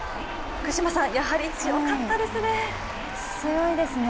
福島さん、やはり強かったですね。